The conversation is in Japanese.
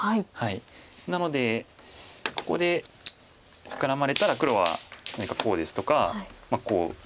なのでここでフクラまれたら黒は何かこうですとかこう。